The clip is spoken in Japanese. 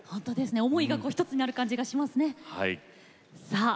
思いが１つになる感じがしますね。